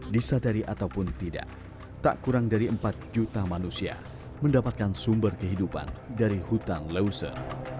disadari ataupun tidak tak kurang dari empat juta manusia mendapatkan sumber kehidupan dari hutan leuser